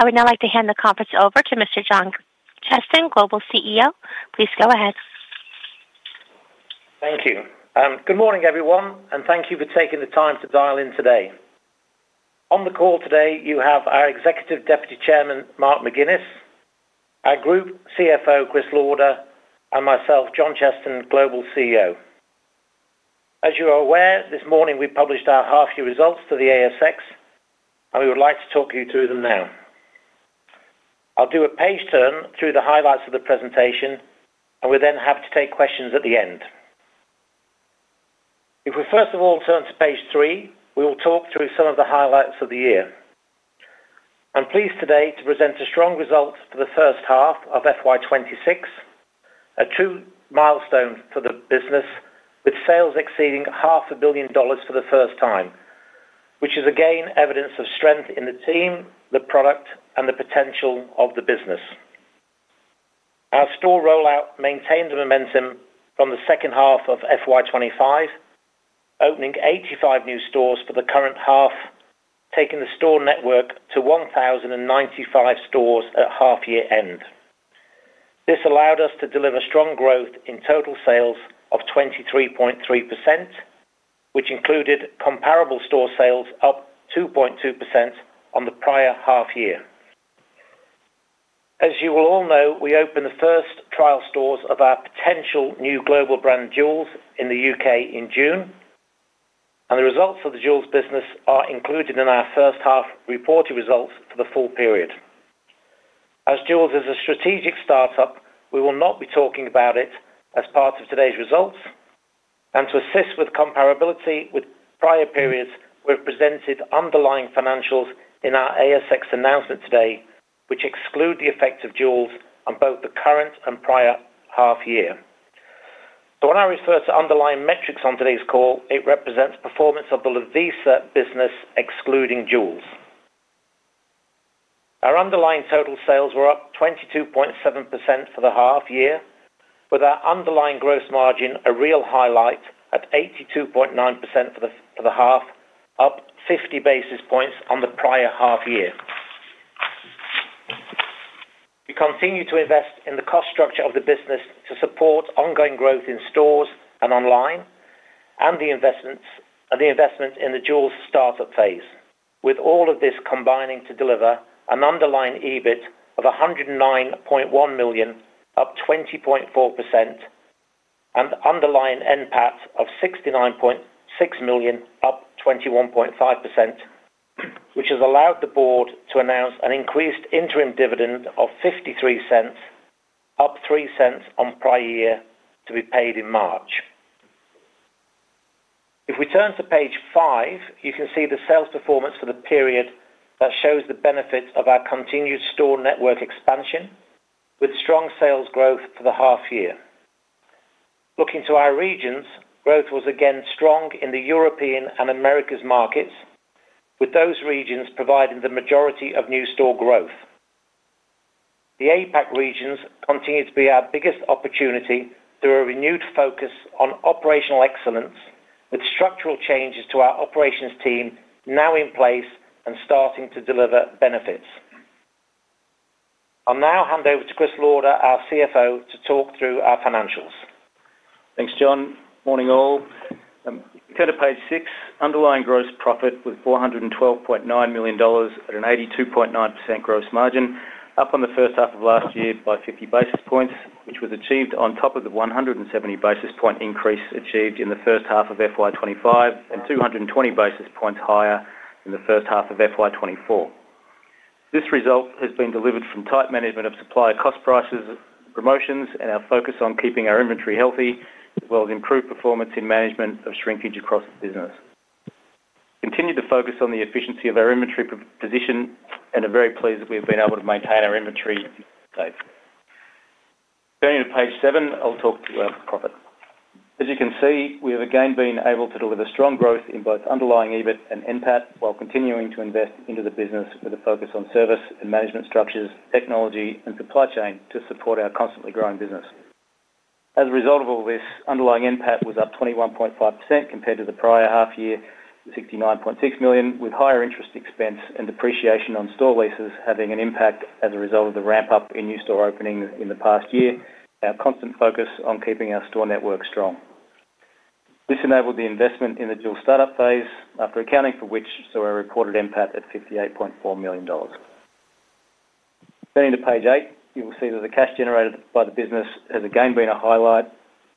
I would now like to hand the conference over to Mr. John Cheston, Global CEO. Please go ahead. Thank you. Good morning, everyone, and thank you for taking the time to dial in today. On the call today, you have our Executive Deputy Chairman, Mark McInnes, our Group CFO, Chris Lauder, and myself, John Cheston, Global CEO. As you are aware, this morning we published our half year results to the ASX, and we would like to talk you through them now. I'll do a page turn through the highlights of the presentation, and we then have to take questions at the end. If we first of all turn to page three, we will talk through some of the highlights of the year. I'm pleased today to present a strong result for the first half of FY 2026, a true milestone for the business, with sales exceeding 500 million dollars for the first time, which is again evidence of strength in the team, the product, and the potential of the business. Our store rollout maintained the momentum from the second half of FY 2025, opening 85 new stores for the current half, taking the store network to 1,095 stores at half-year end. This allowed us to deliver strong growth in total sales of 23.3%, which included comparable store sales up 2.2% on the prior half year. As you will all know, we opened the first trial stores of our potential new global brand, Jewells, in the U.K. in June, and the results of the Jewells business are included in our first half reported results for the full period. As Jewells is a strategic startup, we will not be talking about it as part of today's results, and to assist with comparability with prior periods, we've presented underlying financials in our ASX announcement today, which exclude the effects of Jewells on both the current and prior half year. So when I refer to underlying metrics on today's call, it represents performance of the Lovisa business, excluding Jewells. Our underlying total sales were up 22.7% for the half year, with our underlying gross margin a real highlight at 82.9% for the half, up 50 basis points on the prior half year. We continue to invest in the cost structure of the business to support ongoing growth in stores and online, and the investment in the Jewells startup phase. With all of this combining to deliver an underlying EBIT of 109.1 million, up 20.4%, and underlying NPAT of 69.6 million, up 21.5%, which has allowed the board to announce an increased interim dividend of 0.53, up 0.03 on prior year, to be paid in March. If we turn to page five, you can see the sales performance for the period that shows the benefits of our continued store network expansion, with strong sales growth for the half year. Looking to our regions, growth was again strong in the European and Americas markets, with those regions providing the majority of new store growth. The APAC regions continue to be our biggest opportunity through a renewed focus on operational excellence, with structural changes to our operations team now in place and starting to deliver benefits. I'll now hand over to Chris Lauder, our CFO, to talk through our financials. Thanks, John. Morning, all. Turn to page six. Underlying gross profit was 412.9 million dollars at an 82.9% gross margin, up on the first half of last year by 50 basis points, which was achieved on top of the 170 basis point increase achieved in the first half of FY 2025, and 220 basis points higher than the first half of FY 2024. This result has been delivered from tight management of supplier cost prices, promotions, and our focus on keeping our inventory healthy, as well as improved performance in management of shrinkage across the business. Continue to focus on the efficiency of our inventory position, and are very pleased that we've been able to maintain our inventory shape. Going to page seven, I'll talk to, profit. As you can see, we have again been able to deliver strong growth in both underlying EBIT and NPAT, while continuing to invest into the business with a focus on service and management structures, technology, and supply chain to support our constantly growing business. As a result of all this, underlying NPAT was up 21.5% compared to the prior half year, 69.6 million, with higher interest expense and depreciation on store leases having an impact as a result of the ramp-up in new store openings in the past year, our constant focus on keeping our store network strong. This enabled the investment in the Jewells startup phase, after accounting for which, saw a recorded NPAT at 58.4 million dollars. Turning to page eight, you will see that the cash generated by the business has again been a highlight.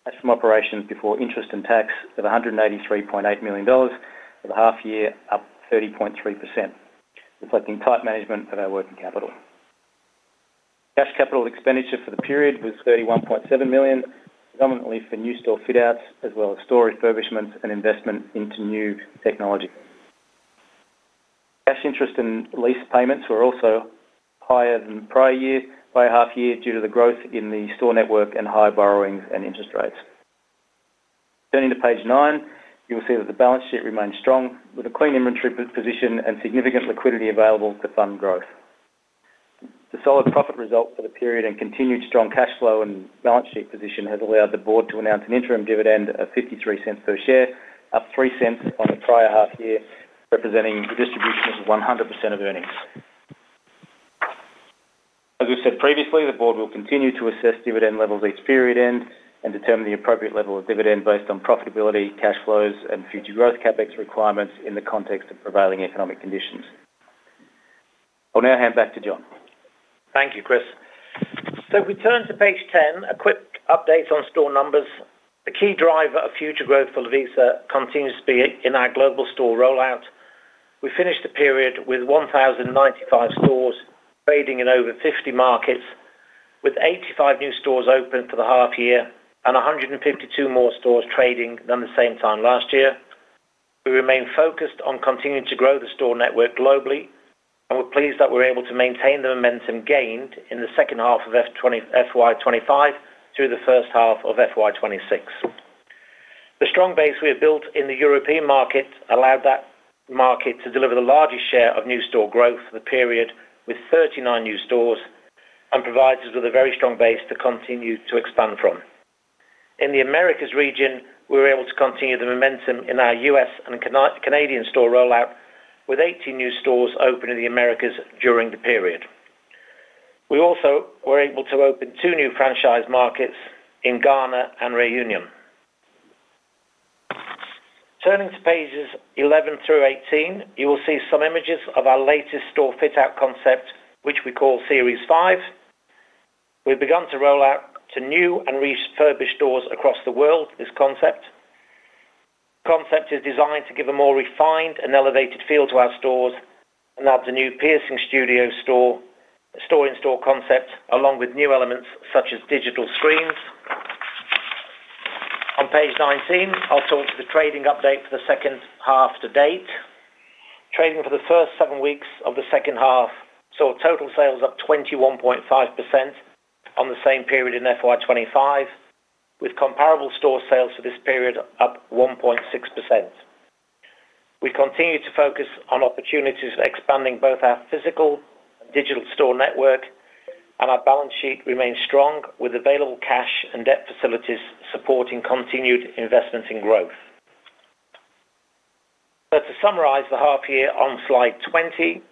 Cash from operations before interest and tax of 183.8 million dollars for the half year, up 30.3%, reflecting tight management of our working capital. Cash capital expenditure for the period was 31.7 million, predominantly for new store fit-outs, as well as store refurbishments and investment into new technology. Cash interest and lease payments were also higher than the prior year by a half year due to the growth in the store network and higher borrowings and interest rates. Turning to page nine, you will see that the balance sheet remains strong, with a clean inventory position and significant liquidity available to fund growth. The solid profit result for the period and continued strong cash flow and balance sheet position has allowed the board to announce an interim dividend of 0.53 per share, up 0.03 on the prior half year, representing a distribution of 100% of earnings. As we said previously, the board will continue to assess dividend levels each period end and determine the appropriate level of dividend based on profitability, cash flows, and future growth CapEx requirements in the context of prevailing economic conditions. I'll now hand back to John. Thank you, Chris. If we turn to page 10, a quick update on store numbers. The key driver of future growth for Lovisa continues to be in our global store rollout. We finished the period with 1,095 stores trading in over 50 markets, with 85 new stores open for the half year and 152 more stores trading than the same time last year. We remain focused on continuing to grow the store network globally, and we're pleased that we're able to maintain the momentum gained in the second half of FY 2025 through the first half of FY 2026. The strong base we have built in the European market allowed that market to deliver the largest share of new store growth for the period, with 39 new stores, and provides us with a very strong base to continue to expand from. In the Americas region, we were able to continue the momentum in our U.S. and Canadian store rollout, with 18 new stores open in the Americas during the period. We also were able to open two new franchise markets in Ghana and Reunion. Turning to pages 11 through 18, you will see some images of our latest store fit-out concept, which we call Series 5. We've begun to roll out to new and refurbished stores across the world, this concept. This concept is designed to give a more refined and elevated feel to our stores and adds a new piercing studio store-in-store concept, along with new elements such as digital screens. On page 19, I'll talk to the trading update for the second half to date. Trading for the first seven weeks of the second half saw total sales up 21.5% on the same period in FY 2025, with comparable store sales for this period up 1.6%. We continue to focus on opportunities, expanding both our physical and digital store network, and our balance sheet remains strong, with available cash and debt facilities supporting continued investments in growth. So to summarize the half year on slide 20,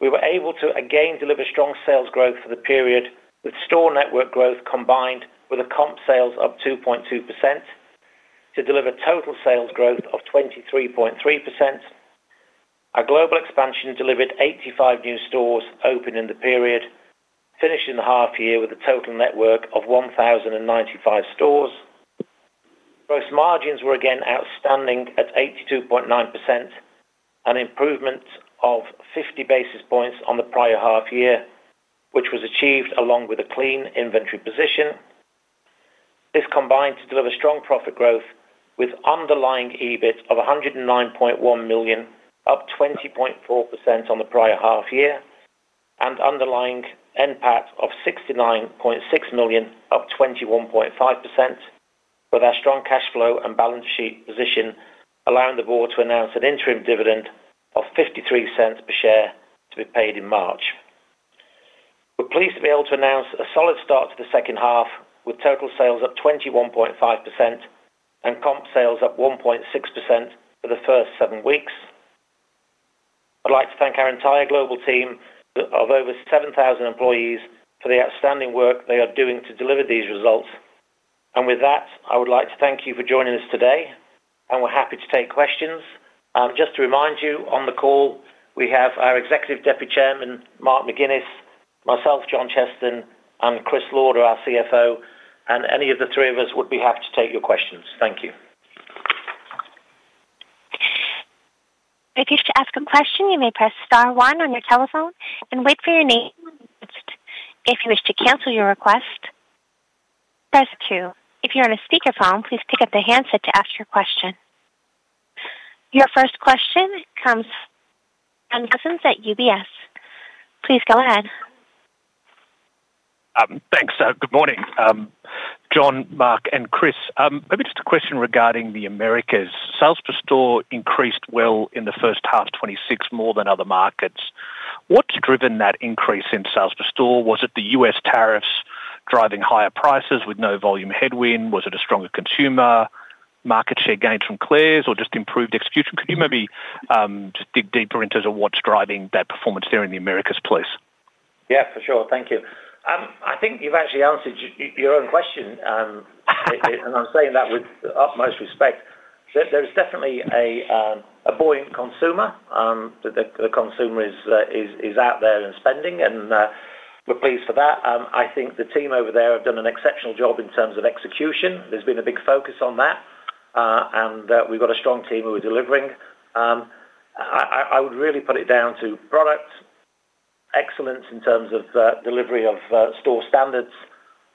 we were able to again deliver strong sales growth for the period, with store network growth combined with a comp sales up 2.2% to deliver total sales growth of 23.3%. Our global expansion delivered 85 new stores open in the period, finishing the half year with a total network of 1,095 stores. Gross margins were again outstanding at 82.9%, an improvement of 50 basis points on the prior half year, which was achieved along with a clean inventory position. This combined to deliver strong profit growth with underlying EBIT of 109.1 million, up 20.4% on the prior half year, and underlying NPAT of 69.6 million, up 21.5%, with our strong cash flow and balance sheet position, allowing the board to announce an interim dividend of 0.53 per share to be paid in March. We're pleased to be able to announce a solid start to the second half, with total sales up 21.5% and comp sales up 1.6% for the first seven weeks. I'd like to thank our entire global team of over 7,000 employees for the outstanding work they are doing to deliver these results. With that, I would like to thank you for joining us today, and we're happy to take questions. Just to remind you, on the call, we have our Executive Deputy Chairman, Mark McInnes, myself, John Cheston, and Chris Lauder, our CFO, and any of the three of us would be happy to take your questions. Thank you. If you wish to ask a question, you may press star one on your telephone and wait for your name. If you wish to cancel your request, press two. If you're on a speakerphone, please pick up the handset to ask your question. Your first question comes from Shaun Cousins at UBS. Please go ahead. Thanks. Good morning, John, Mark, and Chris. Maybe just a question regarding the Americas. Sales per store increased well in the first half, 26 more than other markets. What's driven that increase in sales per store? Was it the U.S. tariffs driving higher prices with no volume headwind? Was it a stronger consumer, market share gains from Claire's or just improved execution? Could you maybe, just dig deeper into what's driving that performance there in the Americas, please? Yeah, for sure. Thank you. I think you've actually answered your own question, and I'm saying that with the utmost respect. There is definitely a buoyant consumer, the consumer is out there and spending, and we're pleased for that. I think the team over there have done an exceptional job in terms of execution. There's been a big focus on that, and we've got a strong team who are delivering. I would really put it down to product excellence in terms of delivery of store standards,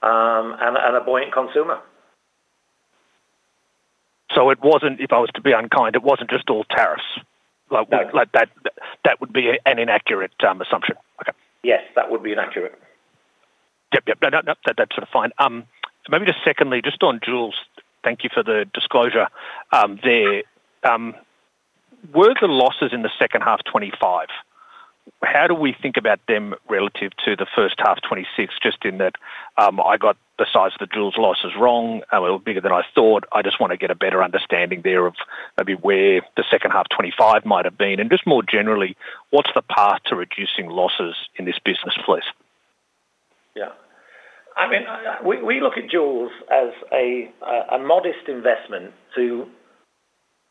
and a buoyant consumer. So it wasn't, if I was to be unkind, it wasn't just all tariffs? Like, No. Like that, that would be an inaccurate assumption? Okay. Yes, that would be inaccurate. Yep, yep. No, no, that's sort of fine. So maybe just secondly, just on Jewells, thank you for the disclosure. There were the losses in the second half 2025? How do we think about them relative to the first half 2026, just in that, I got the size of the Jewells losses wrong, a little bigger than I thought. I just want to get a better understanding there of maybe where the second half 2025 might have been, and just more generally, what's the path to reducing losses in this business place? Yeah. I mean, we look at Jewells as a modest investment to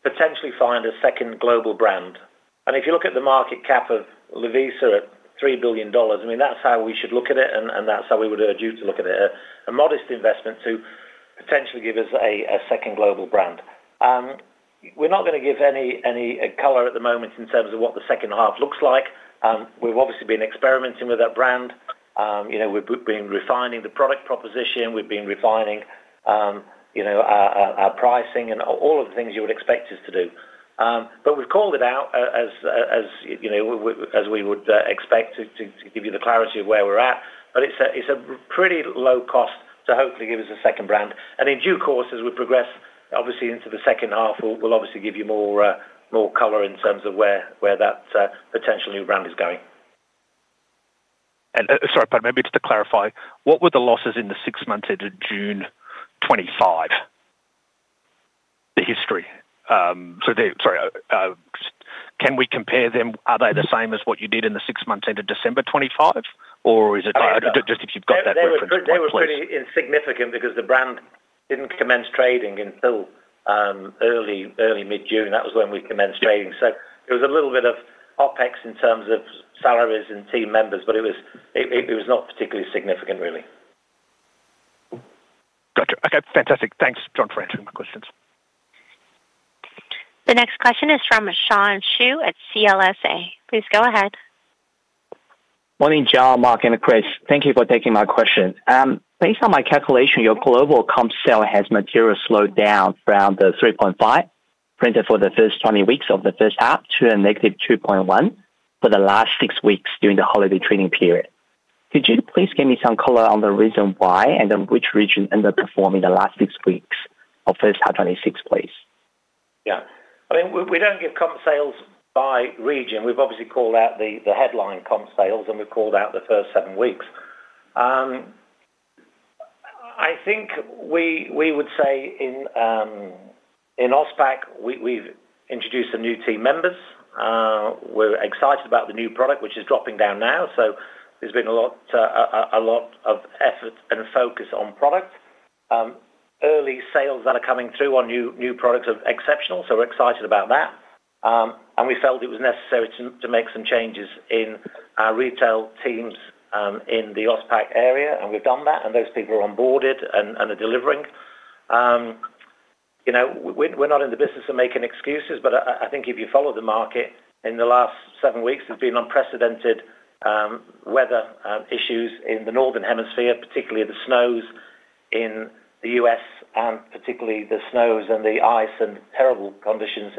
potentially find a second global brand. And if you look at the market cap of Lovisa at 3 billion dollars, I mean, that's how we should look at it, and that's how we would urge you to look at it. A modest investment to potentially give us a second global brand. We're not going to give any color at the moment in terms of what the second half looks like. We've obviously been experimenting with that brand. You know, we've been refining the product proposition, we've been refining our pricing and all of the things you would expect us to do. But we've called it out, as you know, as we would expect to give you the clarity of where we're at. But it's a pretty low cost to hopefully give us a second brand. And in due course, as we progress, obviously into the second half, we'll obviously give you more color in terms of where that potential new brand is going. Sorry, pardon, maybe just to clarify, what were the losses in the six months ended June 2025? The history. So, sorry, can we compare them? Are they the same as what you did in the six months ended December 2025, or is it- Oh, yeah. Just if you've got that reference, please. They were pretty insignificant because the brand didn't commence trading until early, early mid-June. That was when we commenced trading. So it was a little bit of OpEx in terms of salaries and team members, but it was not particularly significant, really. Got you. Okay, fantastic. Thanks, John, for answering my questions. The next question is from Sean Xu at CLSA. Please go ahead. Morning, John, Mark, and Chris, thank you for taking my question. Based on my calculation, your global comp sale has materially slowed down from the 3.5, printed for the first 20 weeks of the first half to a -2.1 for the last six weeks during the holiday trading period. Could you please give me some color on the reason why, and then which region ended up performing the last six weeks of first half 2026, please? Yeah. I mean, we don't give comp sales by region. We've obviously called out the headline comp sales, and we've called out the first seven weeks. I think we would say in AusPac, we've introduced some new team members. We're excited about the new product, which is dropping down now. So there's been a lot of effort and focus on product. Early sales that are coming through on new products are exceptional, so we're excited about that. And we felt it was necessary to make some changes in our retail teams in the AusPac area, and we've done that, and those people are onboarded and are delivering. You know, we're not in the business of making excuses, but I think if you follow the market, in the last seven weeks, there's been unprecedented weather issues in the northern hemisphere, particularly the snows in the U.S., and particularly the snows and the ice and terrible conditions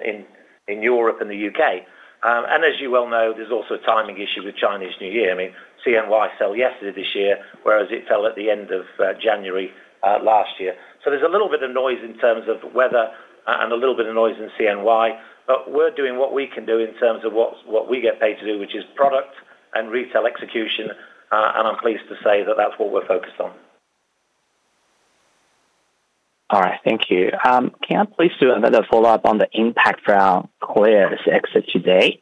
in Europe and the U.K. And as you well know, there's also a timing issue with Chinese New Year. I mean, CNY fell yesterday this year, whereas it fell at the end of January last year. So there's a little bit of noise in terms of weather and a little bit of noise in CNY, but we're doing what we can do in terms of what we get paid to do, which is product and retail execution, and I'm pleased to say that that's what we're focused on. All right, thank you. Can I please do another follow-up on the impact for our Claire's exit today?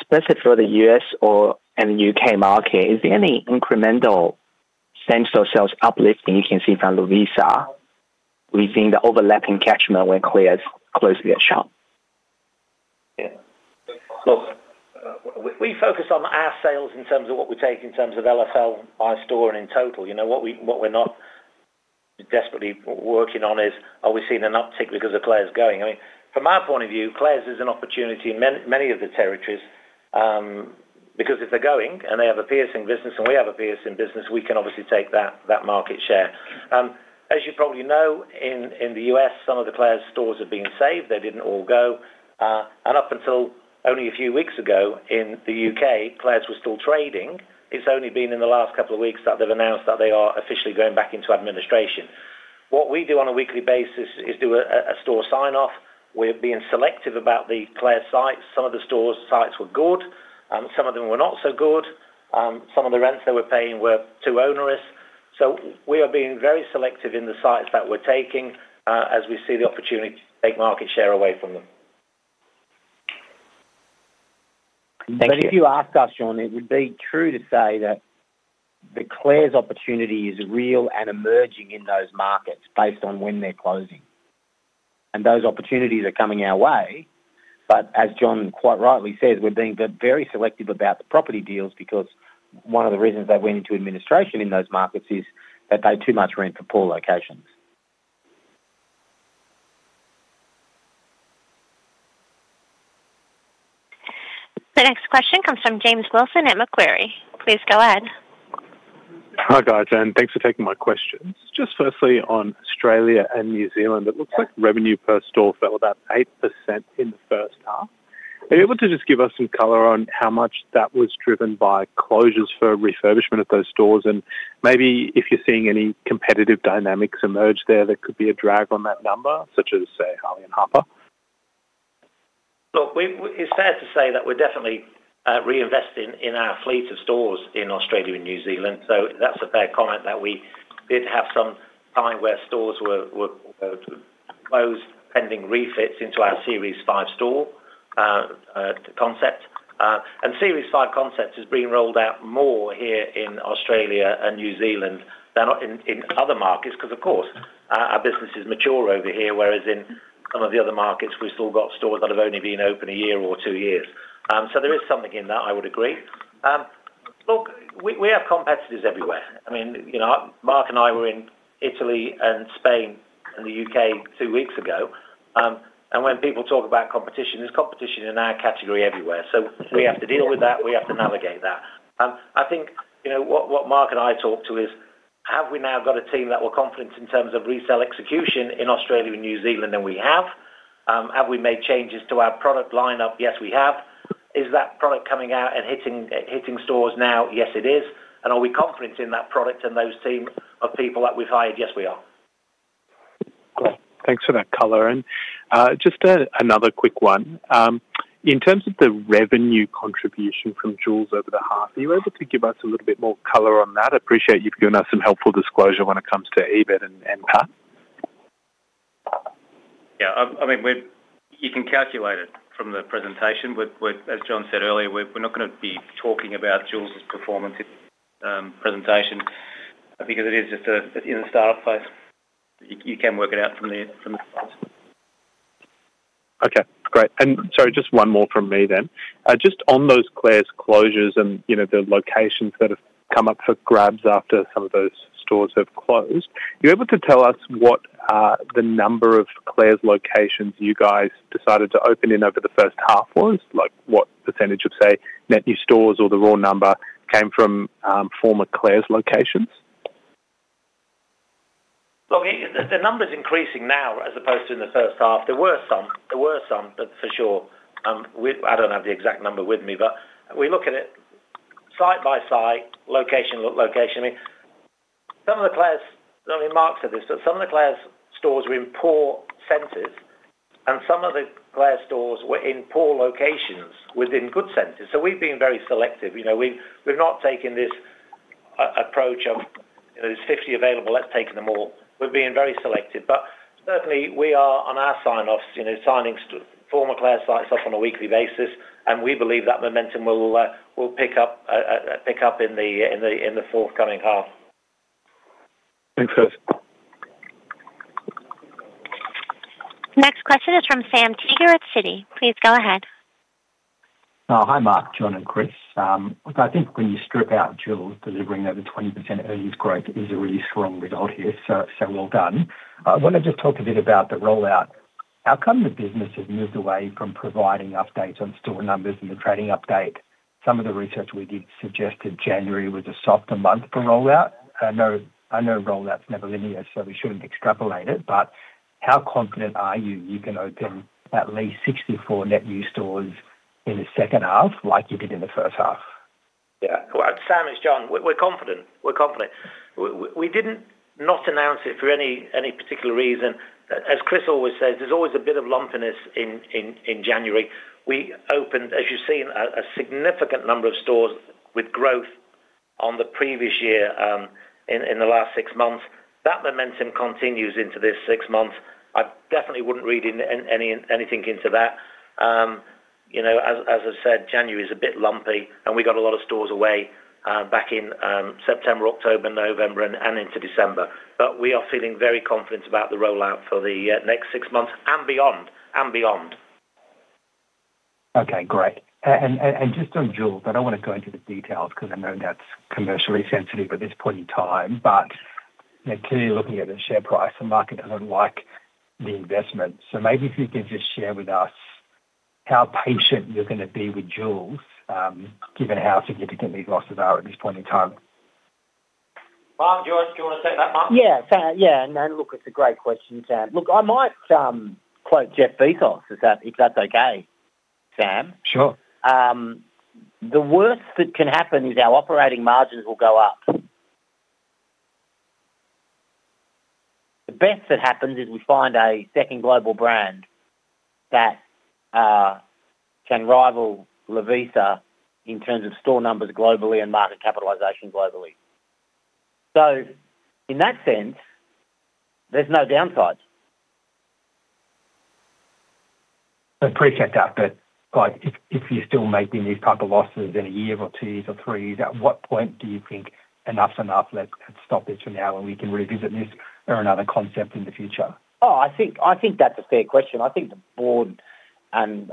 Specifically for the U.S. or the U.K. market, is there any incremental same-store sales uplifting you can see from Lovisa, within the overlapping catchment where Claire's closely at shop? Yeah. Look, we focus on our sales in terms of what we take in terms of LFL, by store and in total, you know, what we're not desperately working on is, are we seeing an uptick because of Claire's going? I mean, from our point of view, Claire's is an opportunity in many, many of the territories, because if they're going and they have a piercing business and we have a piercing business, we can obviously take that market share. As you probably know, in the U.S., some of the Claire's stores are being saved. They didn't all go. And up until only a few weeks ago in the U.K., Claire's were still trading. It's only been in the last couple of weeks that they've announced that they are officially going back into administration. What we do on a weekly basis is do a store sign-off. We're being selective about the Claire's sites. Some of the store sites were good, and some of them were not so good. Some of the rents they were paying were too onerous. So we are being very selective in the sites that we're taking, as we see the opportunity to take market share away from them. Thank you. But if you ask us, Sean, it would be true to say that the Claire's opportunity is real and emerging in those markets based on when they're closing. And those opportunities are coming our way. But as John quite rightly says, we're being very selective about the property deals because one of the reasons they went into administration in those markets is that they had too much rent for poor locations. The next question comes from James Wilson at Macquarie. Please go ahead. Hi, guys, and thanks for taking my questions. Just firstly, on Australia and New Zealand, it looks like revenue per store fell about 8% in the first half. Are you able to just give us some color on how much that was driven by closures for refurbishment of those stores? And maybe if you're seeing any competitive dynamics emerge there, that could be a drag on that number, such as, say, Harley and Harper. Look, it's fair to say that we're definitely reinvesting in our fleet of stores in Australia and New Zealand, so that's a fair comment that we did have some time where stores were closed, pending refits into our Series Five store concept. And Series Five concept is being rolled out more here in Australia and New Zealand than in other markets, because, of course, our business is mature over here, whereas in some of the other markets, we've still got stores that have only been open a year or two years. So there is something in that, I would agree. Look, we have competitors everywhere. I mean, you know, Mark and I were in Italy and Spain and the U.K. two weeks ago, and when people talk about competition, there's competition in our category everywhere. We have to deal with that, we have to navigate that. I think, you know, what Mark and I talked to is, have we now got a team that we're confident in terms of resale execution in Australia and New Zealand than we have? Have we made changes to our product lineup? Yes, we have. Is that product coming out and hitting, hitting stores now? Yes, it is. And are we confident in that product and those team of people that we've hired? Yes, we are. Great. Thanks for that color, and just another quick one. In terms of the revenue contribution from Jewells over the half, are you able to give us a little bit more color on that? I appreciate you've given us some helpful disclosure when it comes to EBIT and cash. Yeah, I mean, we've-- you can calculate it from the presentation. We're, as John said earlier, we're not gonna be talking about Jewells' performance in, I mean, presentation because it is just a, in a startup phase. You can work it out from there, from the slides. Okay, great. And sorry, just one more from me then. Just on those Claire's closures and, you know, the locations that have come up for grabs after some of those stores have closed, you're able to tell us what the number of Claire's locations you guys decided to open in over the first half was? Like, what percentage of, say, net new stores or the raw number came from former Claire's locations. Well, the number is increasing now, as opposed to in the first half. There were some, that's for sure. I don't have the exact number with me, but we look at it site by site, location by location. Some of the Claire's, I mean, Mark said this, but some of the Claire's stores were in poor centers, and some of the Claire's stores were in poor locations within good centers. So we've been very selective, you know, we've not taken this approach of, you know, there's 50 available, let's take them all. We're being very selective, but certainly, we are on our sign-offs, you know, signing former Claire sites off on a weekly basis, and we believe that momentum will pick up in the forthcoming half. Thanks, guys. Next question is from Sam Teeger at Citi. Please go ahead. Hi, Mark, John, and Chris. I think when you strip out Jewells, delivering over 20% earnings growth is a really strong result here, so, so well done. I want to just talk a bit about the rollout. How come the business has moved away from providing updates on store numbers in the trading update? Some of the research we did suggested January was a softer month for rollout. I know, I know rollout is never linear, so we shouldn't extrapolate it, but how confident are you, you can open at least 64 net new stores in the second half like you did in the first half? Yeah. Well, Sam, it's John. We're confident. We're confident. We didn't not announce it for any particular reason. As Chris always says, there's always a bit of lumpiness in January. We opened, as you've seen, a significant number of stores with growth on the previous year in the last six months. That momentum continues into this six months. I definitely wouldn't read anything into that. You know, as I said, January is a bit lumpy, and we got a lot of stores away back in September, October, November, and into December. But we are feeling very confident about the rollout for the next six months and beyond, and beyond. Okay, great. And just on Jewells, I don't want to go into the details because I know that's commercially sensitive at this point in time, but, you know, clearly, looking at the share price, the market doesn't like the investment. So maybe if you can just share with us how patient you're gonna be with Jewells, given how significant these losses are at this point in time. Mark, do you want to take that, Mark? Yeah, Sam. Yeah, no, look, it's a great question, Sam. Look, I might quote Jeff Bezos, if that's okay, Sam? Sure. The worst that can happen is our operating margins will go up. The best that happens is we find a second global brand that can rival Lovisa in terms of store numbers globally and market capitalization globally. So in that sense, there's no downsides. I appreciate that, but like, if you're still making these type of losses in a year or two years or three years, at what point do you think enough is enough? Let's stop this for now, and we can revisit this or another concept in the future? Oh, I think, I think that's a fair question. I think the board and,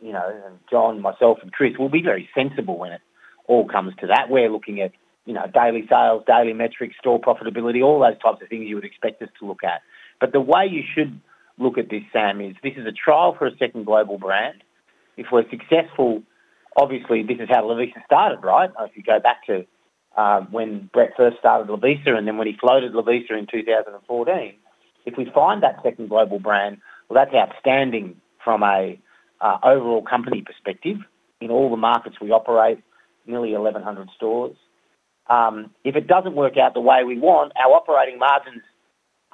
you know, and John, myself, and Chris will be very sensible when it all comes to that. We're looking at, you know, daily sales, daily metrics, store profitability, all those types of things you would expect us to look at. But the way you should look at this, Sam, is this is a trial for a second global brand. If we're successful obviously, this is how Lovisa started, right? If you go back to when Brett first started Lovisa, and then when he floated Lovisa in 2014, if we find that second global brand, well, that's outstanding from a overall company perspective. In all the markets we operate, nearly 1,100 stores. If it doesn't work out the way we want, our operating margins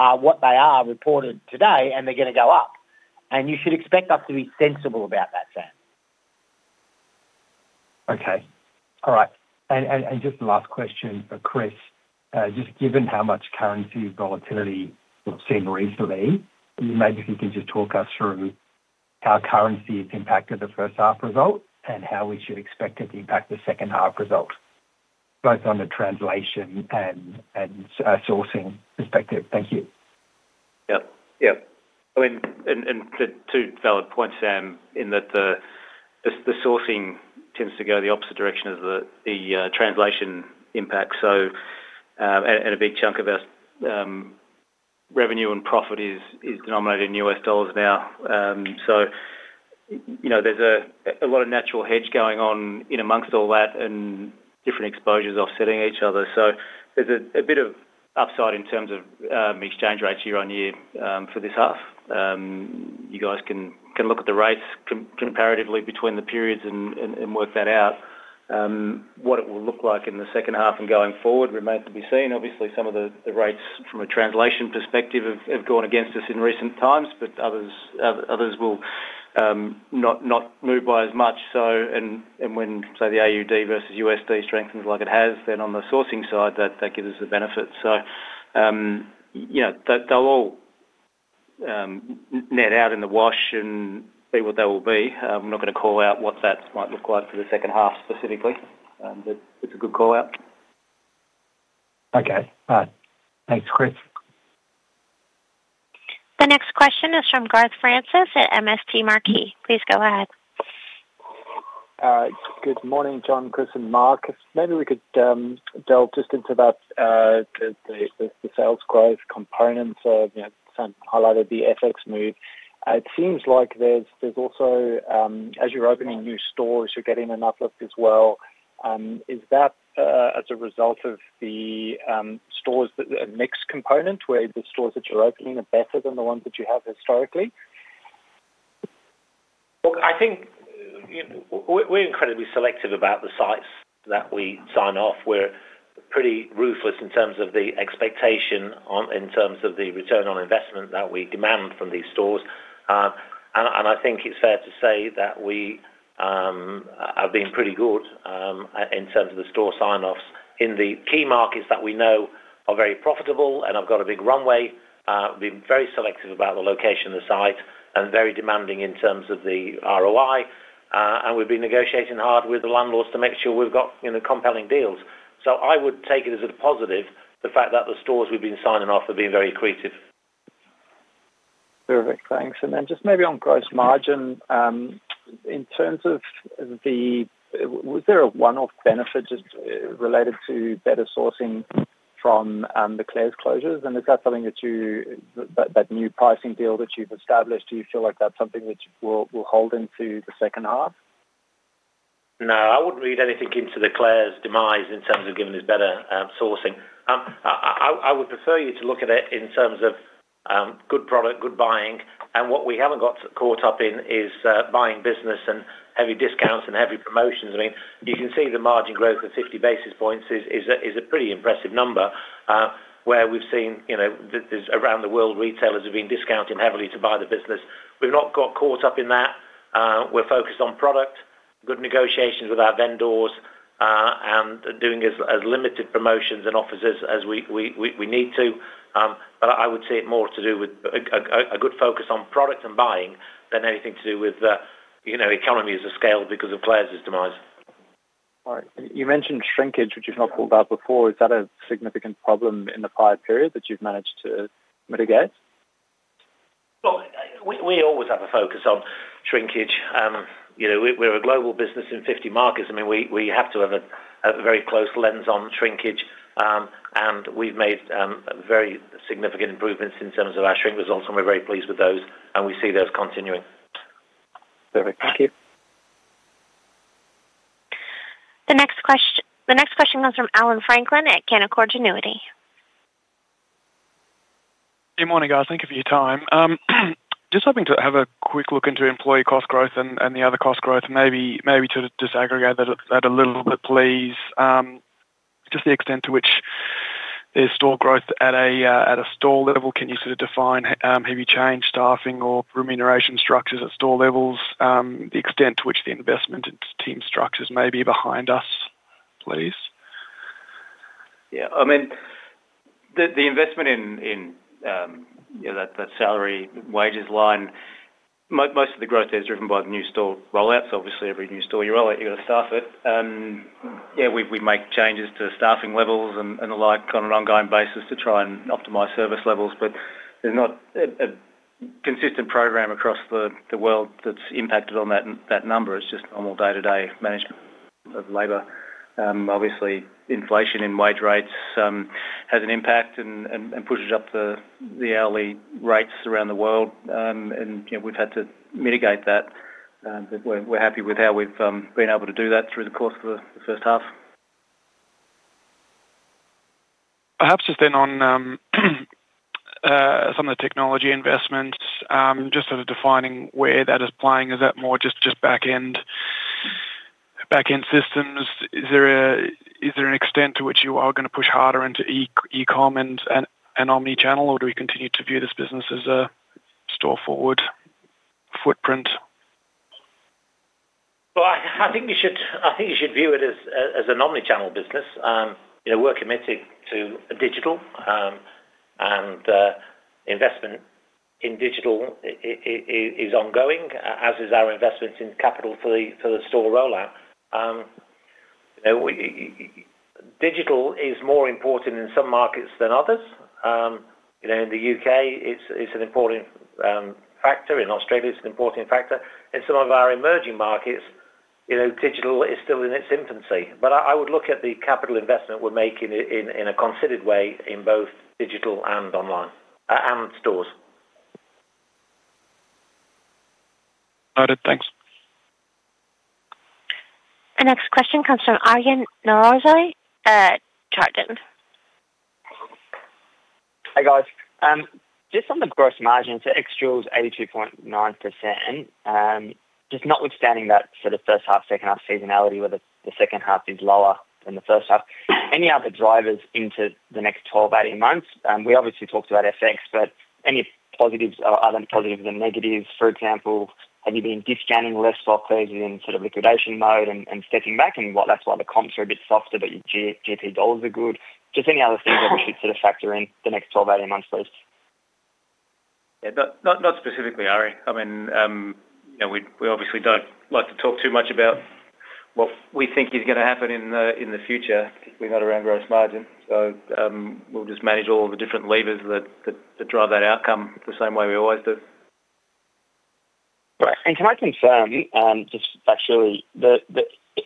are what they are reported today, and they're gonna go up. You should expect us to be sensible about that, Sam. Okay. All right. And just the last question for Chris. Just given how much currency volatility we've seen recently, maybe if you can just talk us through how currency has impacted the first half results and how we should expect it to impact the second half results, both on the translation and sourcing perspective. Thank you. Yep. Yep. I mean, two valid points, Sam, in that the sourcing tends to go the opposite direction of the translation impact. So, and a big chunk of our revenue and profit is denominated in U.S. dollars now. So, you know, there's a lot of natural hedge going on amongst all that and different exposures offsetting each other. So there's a bit of upside in terms of exchange rates year-on-year for this half. You guys can look at the rates comparatively between the periods and work that out. What it will look like in the second half and going forward remains to be seen. Obviously, some of the rates from a translation perspective have gone against us in recent times, but others will not move by as much. So, and when, say, the AUD versus USD strengthens like it has, then on the sourcing side, that gives us a benefit. So, you know, they, they'll all net out in the wash and be what they will be. I'm not gonna call out what that might look like for the second half, specifically, but it's a good call out. Okay. Thanks, Chris. The next question is from Garth Francis at MST Marquee. Please go ahead. Good morning, John, Chris, and Mark. Maybe we could delve just into that sales growth components of, you know, Sam highlighted the FX move. It seems like there's also as you're opening new stores, you're getting an uplift as well. Is that as a result of the stores that mix component, where the stores that you're opening are better than the ones that you have historically? Look, I think, you know, we're, we're incredibly selective about the sites that we sign off. We're pretty ruthless in terms of the expectation on, in terms of the return on investment that we demand from these stores. And I think it's fair to say that we have been pretty good in terms of the store sign-offs in the key markets that we know are very profitable and have got a big runway. We've been very selective about the location of the site and very demanding in terms of the ROI, and we've been negotiating hard with the landlords to make sure we've got, you know, compelling deals. So I would take it as a positive, the fact that the stores we've been signing off have been very accretive. Perfect, thanks. And then just maybe on gross margin, in terms of the... Was there a one-off benefit just related to better sourcing from the Claire's closures? And is that something that you, that new pricing deal that you've established, do you feel like that's something which will hold into the second half? No, I wouldn't read anything into the Claire's demise in terms of giving us better sourcing. I would prefer you to look at it in terms of good product, good buying, and what we haven't got caught up in is buying business and heavy discounts and heavy promotions. I mean, you can see the margin growth of 50 basis points is a pretty impressive number, where we've seen, you know, there's around the world, retailers have been discounting heavily to buy the business. We've not got caught up in that. We're focused on product, good negotiations with our vendors, and doing as limited promotions and offers as we need to. But I would see it more to do with a good focus on product and buying than anything to do with, you know, economies of scale because of Claire's demise. All right. You mentioned shrinkage, which you've not called out before. Is that a significant problem in the prior period that you've managed to mitigate? Well, we always have a focus on shrinkage. You know, we're a global business in 50 markets. I mean, we have to have a very close lens on shrinkage. And we've made very significant improvements in terms of our shrink results, and we're very pleased with those, and we see those continuing. Perfect. Thank you. The next question comes from Allan Franklin at Canaccord Genuity. Good morning, guys. Thank you for your time. Just hoping to have a quick look into employee cost growth and the other cost growth, maybe to just aggregate that a little bit, please. Just the extent to which there's store growth at a store level, can you sort of define, have you changed staffing or remuneration structures at store levels? The extent to which the investment into team structures may be behind us, please? Yeah. I mean, the investment in, you know, that salary wages line, most of the growth is driven by the new store rollouts. Obviously, every new store you roll out, you got to staff it. Yeah, we make changes to staffing levels and the like on an ongoing basis to try and optimize service levels, but there's not a consistent program across the world that's impacted on that number. It's just normal day-to-day management of labor. Obviously, inflation in wage rates has an impact and pushes up the hourly rates around the world. And, you know, we've had to mitigate that, but we're happy with how we've been able to do that through the course of the first half. Perhaps just then on some of the technology investments, just sort of defining where that is playing. Is that more just back-end systems? Is there an extent to which you are gonna push harder into e-com and omni-channel, or do we continue to view this business as a store-forward footprint? Well, I think you should view it as an omni-channel business. You know, we're committed to digital, and investment in digital is ongoing, as is our investments in capital for the store rollout. You know, digital is more important in some markets than others. You know, in the U.K., it's an important factor. In Australia, it's an important factor. In some of our emerging markets, you know, digital is still in its infancy. But I would look at the capital investment we're making in a considered way in both digital and online, and stores. Noted. Thanks. The next question comes from Aryan Norozi at Jarden. Hi, guys. Just on the gross margins, the extra was 82.9%. Just notwithstanding that for the first half, second half seasonality, where the, the second half is lower than the first half, any other drivers into the next 12, 18 months? We obviously talked about FX, but any positives or other positives and negatives, for example, have you been discounting less stock than you in sort of liquidation mode and, and stepping back, and what that's why the comps are a bit softer, but your G- GP dollars are good. Just any other things that we should sort of factor in the next 12, 18 months, please? Yeah. Not specifically, Aryan. I mean, you know, we obviously don't like to talk too much about what we think is gonna happen in the future, particularly not around gross margin. So, we'll just manage all the different levers that drive that outcome the same way we always do. Right. And can I confirm, just factually, the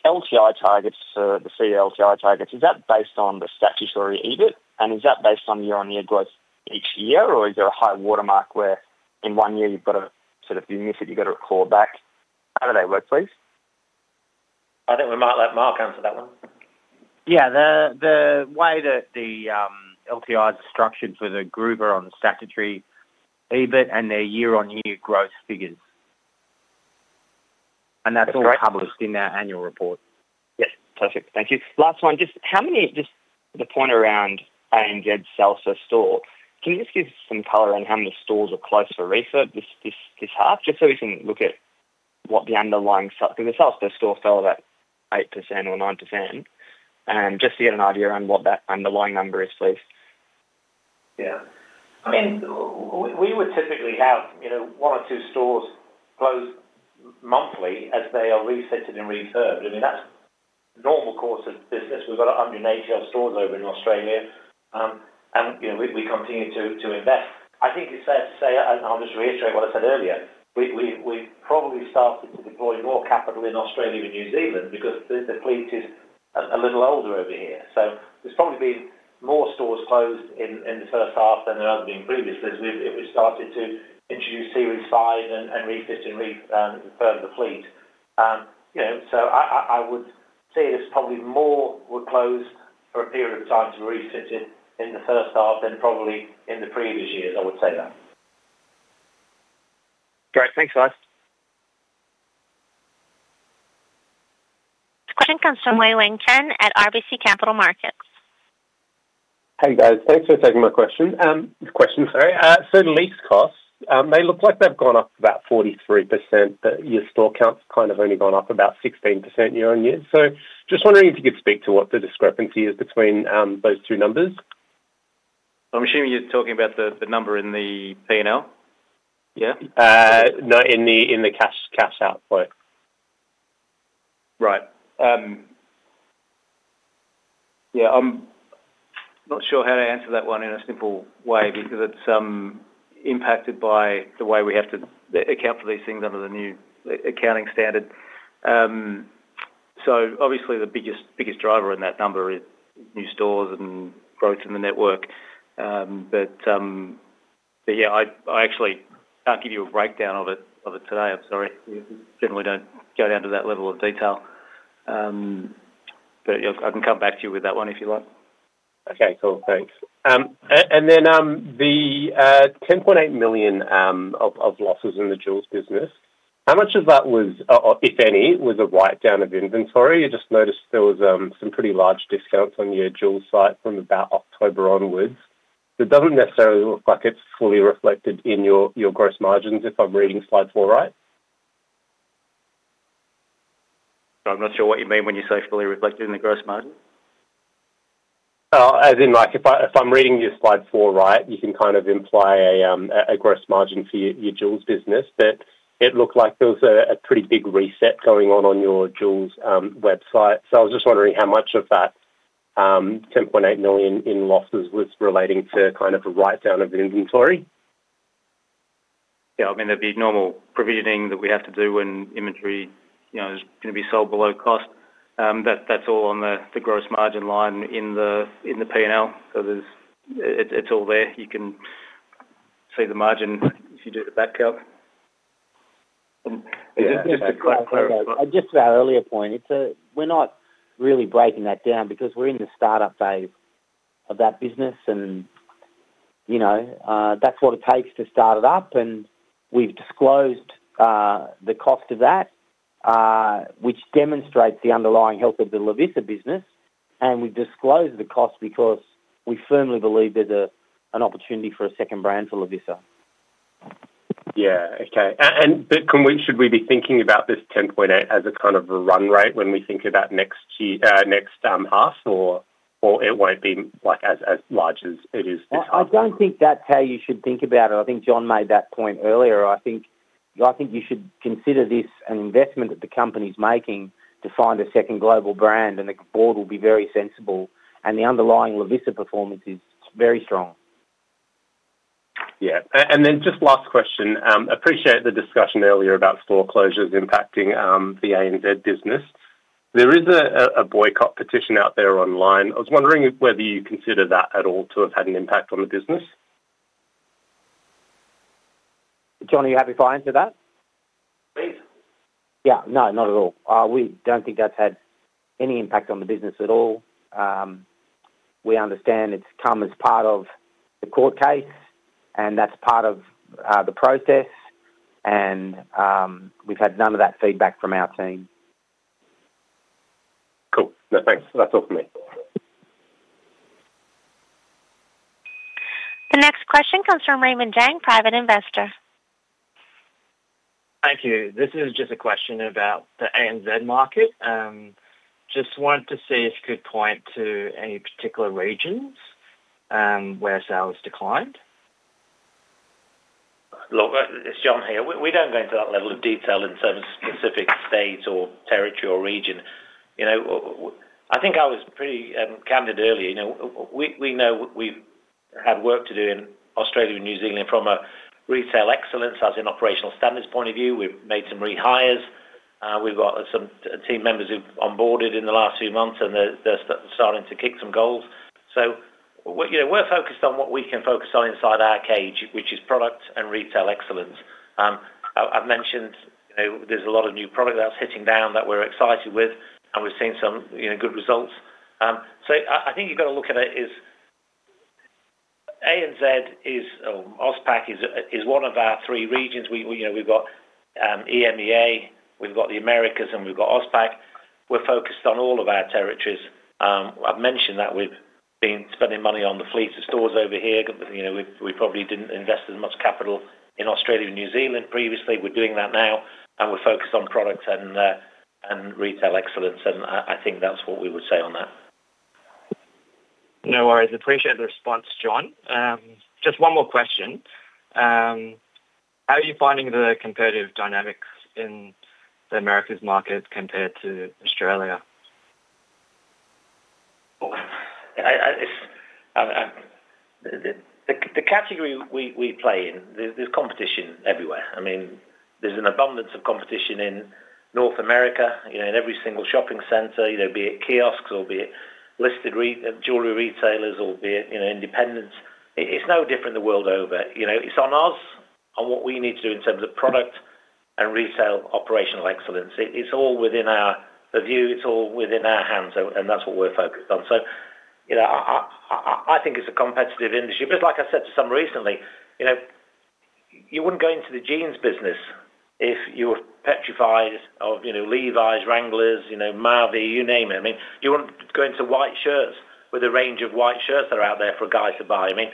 LTI targets for the LTI targets, is that based on the statutory EBIT? And is that based on year-on-year growth each year, or is there a high watermark where in one year you've got a sort of you miss it, you got to recall back? How do they work, please? I think we might let Mark answer that one. Yeah, the way that the LTI is structured with a group are on the statutory EBIT and their year-on-year growth figures. Great. That's all published in our annual report. Yes, perfect. Thank you. Last one, just how many... Just the point around ANZ sales per store, can you just give some color on how many stores are closed for refurb this, this, this half? Just so we can look at what the underlying sales, because the sales per store fell about 8% or 9%. Just to get an idea on what that underlying number is, please. Yeah. I mean, we would typically have, you know, one or two stores close monthly as they are refitted and refurbished. I mean, that's normal course of business. We've got 188 stores over in Australia, and, you know, we continue to invest. I think it's fair to say, and I'll just reiterate what I said earlier, we probably started to deploy more capital in Australia and New Zealand because the fleet is a little older over here. So there's probably been more stores closed in the first half than there have been previously as we've started to introduce Series 5 and refit and refurbish the fleet. You know, so I would say it's probably more were closed for a period of time to refit it in the first half than probably in the previous years, I would say that. Great. Thanks, guys. The question comes from Wei-Weng Chen at RBC Capital Markets. Hey, guys. Thanks for taking my question. Sorry. So the lease costs, they look like they've gone up about 43%, but your store count's kind of only gone up about 16% year-on-year. So just wondering if you could speak to what the discrepancy is between those two numbers? I'm assuming you're talking about the number in the P&L? Yeah. No, in the cash outflow. Right. Yeah, I'm not sure how to answer that one in a simple way because it's impacted by the way we have to account for these things under the new accounting standard. So obviously, the biggest, biggest driver in that number is new stores and growth in the network. But, but yeah, I, I actually can't give you a breakdown of it, of it today. I'm sorry. We generally don't go down to that level of detail. But, yeah, I can come back to you with that one if you like. Okay, cool. Thanks. And then, the 10.8 million of losses in the Jewells business, how much of that was, if any, a write-down of inventory? I just noticed there was some pretty large discounts on your Jewells site from about October onwards. It doesn't necessarily look like it's fully reflected in your gross margins, if I'm reading slide four right. I'm not sure what you mean when you say fully reflected in the gross margin. As in, like, if I'm reading your Slide 4 right, you can kind of imply a gross margin for your Jewells business, but it looked like there was a pretty big reset going on on your Jewells website. So I was just wondering how much of that 10.8 million in losses was relating to kind of a write-down of the inventory? Yeah, I mean, there'd be normal provisioning that we have to do when inventory, you know, is gonna be sold below cost. That, that's all on the, the gross margin line in the, in the P&L. So there's, it, it's all there. You can see the margin if you do the back count. Yeah, just to clarify- And just to our earlier point, it's we're not really breaking that down because we're in the startup phase of that business, and you know, that's what it takes to start it up, and we've disclosed the cost of that, which demonstrates the underlying health of the Lovisa business, and we've disclosed the cost because we firmly believe there's an opportunity for a second brand for Lovisa. Yeah. Okay. But can we—should we be thinking about this 10.8 as a kind of a run rate when we think about next year, next half, or it won't be like as large as it is this half? I don't think that's how you should think about it. I think John made that point earlier. I think, I think you should consider this an investment that the company's making to find a second global brand, and the board will be very sensible, and the underlying Lovisa performance is very strong. Yeah. And then just last question, appreciate the discussion earlier about store closures impacting the ANZ business. There is a boycott petition out there online. I was wondering whether you consider that at all to have had an impact on the business? John, are you happy if I answer that? Please. Yeah, no, not at all. We don't think that's had any impact on the business at all. We understand it's come as part of the court case, and that's part of the process, and we've had none of that feedback from our team. Cool. Yeah, thanks. That's all for me. The next question comes from Raymond Jang, private investor. Thank you. This is just a question about the ANZ market. Just wanted to see if you could point to any particular regions where sales declined. Look, it's John here. We don't go into that level of detail in terms of specific states or territory or region. You know, I think I was pretty candid earlier. You know, we know we've had work to do in Australia and New Zealand from a retail excellence, as in operational standards point of view. We've made some rehires. We've got some team members who've onboarded in the last few months, and they're starting to kick some goals. So we, you know, we're focused on what we can focus on inside our cage, which is product and retail excellence. I've mentioned, you know, there's a lot of new product that's hitting down that we're excited with, and we're seeing some, you know, good results. So I think you've got to look at it as ANZ is, AusPac is one of our three regions. We, you know, we've got EMEA, we've got the Americas, and we've got AusPac. We're focused on all of our territories. I've mentioned that we've been spending money on the fleet of stores over here. You know, we probably didn't invest as much capital in Australia and New Zealand previously. We're doing that now, and we're focused on products and, and retail excellence, and I think that's what we would say on that. No worries. Appreciate the response, John. Just one more question. How are you finding the competitive dynamics in the Americas market compared to Australia? Well, I, it's the category we play in, there's competition everywhere. I mean, there's an abundance of competition in North America, you know, in every single shopping center, you know, be it kiosks or be it listed retail jewelry retailers or be it, you know, independents. It's no different the world over. You know, it's on us on what we need to do in terms of product and retail operational excellence. It's all within our view, it's all within our hands, and that's what we're focused on. So, you know, I think it's a competitive industry, but like I said to some recently, you know, you wouldn't go into the jeans business if you were petrified of, you know, Levi's, Wranglers, you know, Mavi, you name it. I mean, you wouldn't go into white shirts with a range of white shirts that are out there for a guy to buy. I mean,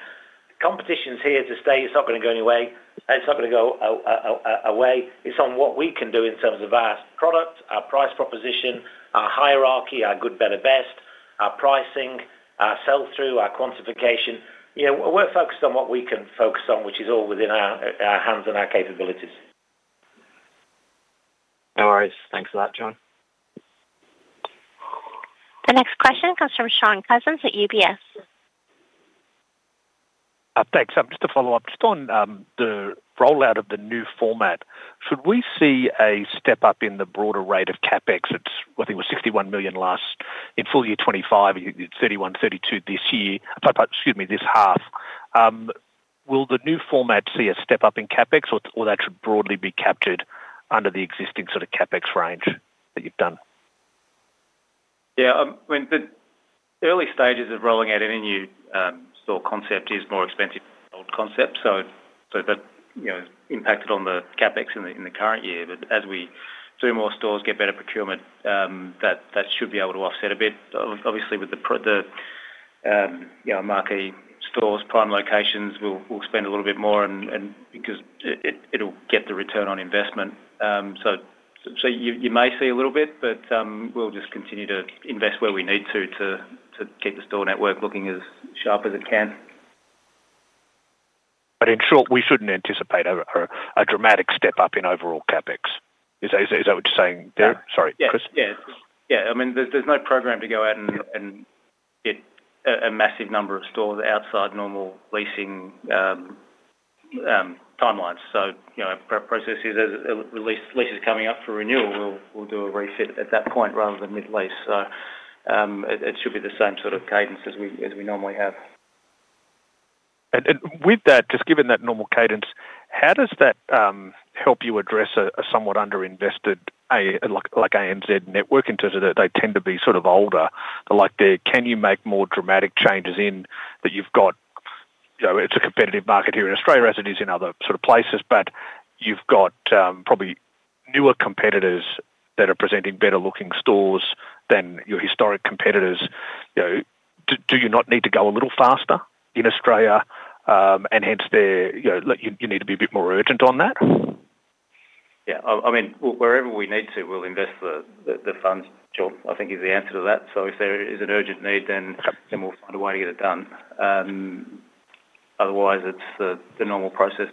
competition's here to stay. It's not gonna go anywhere. It's not gonna go away. It's on what we can do in terms of our product, our price proposition, our hierarchy, our good, better, best, our pricing, our sell-through, our quantification. You know, we're focused on what we can focus on, which is all within our hands and our capabilities. No worries. Thanks a lot, John. The next question comes from Shaun Cousins at UBS. Thanks. Just to follow up, just on the rollout of the new format, should we see a step up in the broader rate of CapEx? It's, I think, it was 61 million last in full year 2025, 31-32 this year. Excuse me, this half. Will the new format see a step up in CapEx, or that should broadly be captured under the existing sort of CapEx range that you've done? Yeah, when the early stages of rolling out any new store concept is more expensive than the old concept. So that, you know, impacted on the CapEx in the current year. But as we do more stores, get better procurement, that should be able to offset a bit. Obviously, with the, you know, marquee stores, prime locations, we'll spend a little bit more and because it, it'll get the return on investment. So you may see a little bit, but we'll just continue to invest where we need to keep the store network looking as sharp as it can. But in short, we shouldn't anticipate a dramatic step up in overall CapEx. Is that what you're saying there? Sorry, Chris. Yes. Yeah. I mean, there's no program to go out and get a massive number of stores outside normal leasing timelines. So, you know, our process is as a lease is coming up for renewal, we'll do a refit at that point rather than mid-lease. So, it should be the same sort of cadence as we normally have. With that, just given that normal cadence, how does that help you address a somewhat underinvested ANZ network in terms of that they tend to be sort of older? Like, there, can you make more dramatic changes in that you've got... You know, it's a competitive market here in Australia, as it is in other sort of places, but you've got probably newer competitors that are presenting better-looking stores than your historic competitors. You know, do you not need to go a little faster in Australia, and hence there, you know, you need to be a bit more urgent on that? Yeah, I mean, wherever we need to, we'll invest the funds, John. I think is the answer to that. So if there is an urgent need, then we'll find a way to get it done. Otherwise, it's the normal process,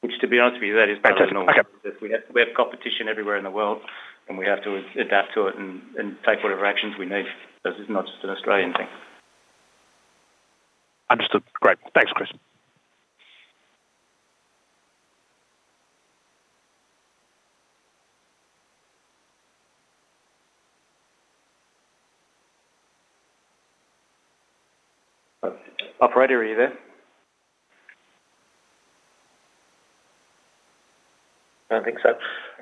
which, to be honest with you, that is- Fantastic. Okay. We have competition everywhere in the world, and we have to adapt to it and take whatever actions we need. This is not just an Australian thing. Understood. Great. Thanks, Chris. Operator, are you there? I don't think so.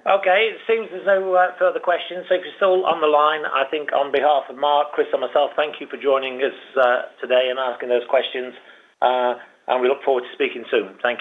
Okay, it seems there's no further questions. So if you're still on the line, I think on behalf of Mark, Chris, and myself, thank you for joining us today and asking those questions, and we look forward to speaking soon. Thank you.